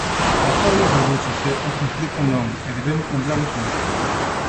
O apoio redúcese, o conflito non, e debemos lembralo sempre.